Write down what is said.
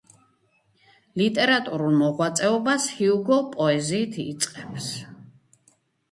ლიტერატურულ მოღვაწეობას ჰიუგო პოეზიით იწყებს.